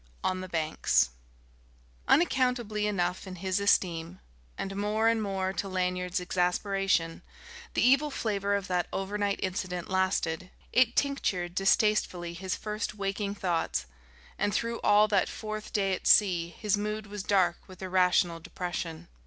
V ON THE BANKS Unaccountably enough in his esteem, and more and more to Lanyard's exasperation, the evil flavour of that overnight incident lasted; it tinctured distastefully his first waking thoughts; and through all that fourth day at sea his mood was dark with irrational depression.